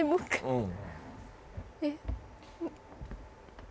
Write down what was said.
うん